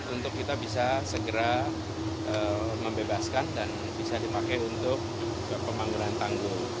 untuk kita bisa segera membebaskan dan bisa dipakai untuk pengangguran tanggul